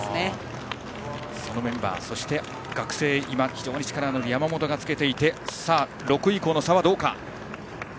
そのメンバー、そして学生今、力のある山本がつけていて６位との差はどうか。